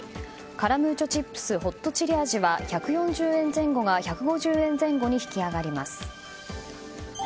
カラムーチョチップスホットチリ味は１４０円前後が１５０円前後に引き上がります。